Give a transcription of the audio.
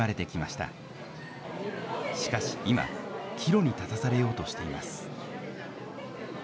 しかし今、岐路に立たされようとしています。